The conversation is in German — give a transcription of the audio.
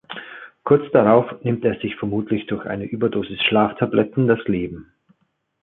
Kurz darauf nimmt er sich vermutlich durch eine Überdosis Schlaftabletten, das Leben.